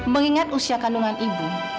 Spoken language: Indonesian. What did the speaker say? mengingat usia kandungan ibu